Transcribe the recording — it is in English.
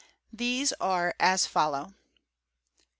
These are as follow : 1.